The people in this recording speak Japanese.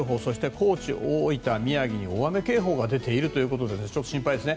高知、大分、宮崎に大雨警報が出ているということで心配ですね。